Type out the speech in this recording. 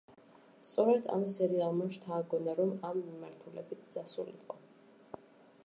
სწორედ ამ სერიალმა შთააგონა, რომ ამ მიმართულებით წასულიყო.